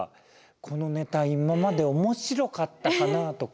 このネタ今まで面白かったかなとか。